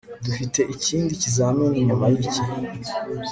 dufite ikindi kizamini nyuma yiki